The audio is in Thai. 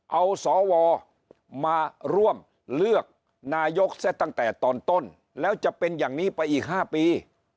เอาสวมาร่วมเลือกนายกซะตั้งแต่ตอนต้นแล้วจะเป็นอย่างนี้ไปอีก๕ปี